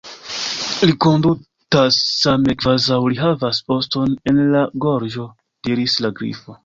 "Li kondutas same kvazaŭ li havas oston en la gorĝo," diris la Grifo.